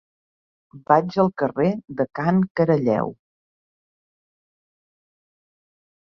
Vaig al carrer de Can Caralleu.